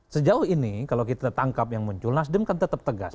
sejauh ini kalau kita tangkap yang muncul nasdem kan tetap tegas